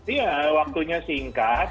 iya waktunya singkat